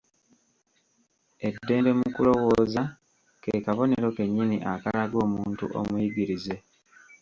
Eddembe mu kulowooza ke kabonero kennyini akalaga omuntu omuyigirize.